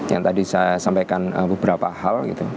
yang tadi saya sampaikan beberapa hal